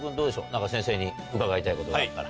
何か先生に伺いたいことがあったら。